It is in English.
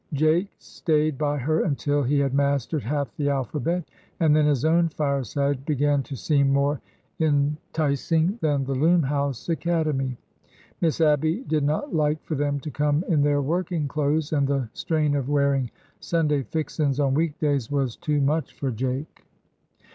Jake stayed by her until he had mastered half the al phabet, and then his own fireside began to seem more en ticing than the Loom house Academy. Miss Abby did not like for them to come in their working clothes, and the strain of wearing Sunday fixin's " on week days was too much for Jake.